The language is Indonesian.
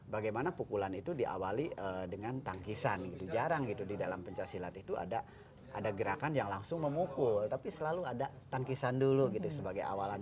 bagaimana pukulan itu diawali dengan tangkisan gitu jarang gitu di dalam pencaksilat itu ada gerakan yang langsung memukul tapi selalu ada tangkisan dulu gitu sebagai awalan